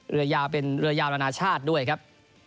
เรือยาวเป็นเรือยาวนานาชาติด้วยครับ